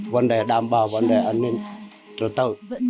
vấn đề đảm bảo vấn đề an ninh trở tàu